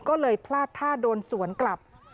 ก็เลยพลาดท่าโดนสวนกลับ